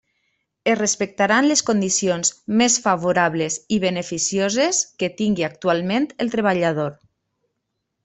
Es respectaran les condicions més favorables i beneficioses que tingui actualment el treballador.